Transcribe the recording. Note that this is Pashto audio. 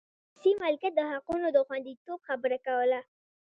د خصوصي مالکیت د حقونو د خوندیتوب خبره کوله.